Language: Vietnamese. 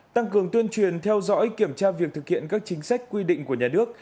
tăng cường tuyên truyền theo dõi kiểm tra việc thực hiện các chính sách quy định của nhà nước